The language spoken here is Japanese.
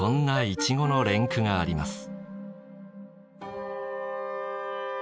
イチゴの連句があります。